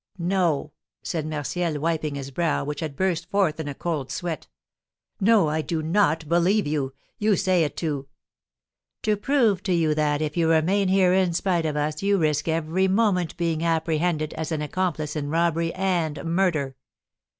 "No," said Martial, wiping his brow, which had burst forth in a cold sweat. "No, I do not believe you. You say it to " "To prove to you that, if you remain here in spite of us, you risk every moment being apprehended as an accomplice in robbery and murder.